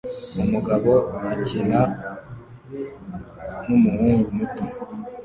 Umugabo akina numuhungu muto